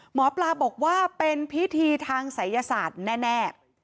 หมอปลาบอกว่าเป็นพิธีทางศัยศาสตร์แน่